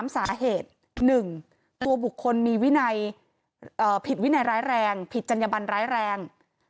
๓สาเหตุ๑ตัวบุคคลมีวินัยผิดวินัยร้ายแรงผิดจัญญบันร้ายแรง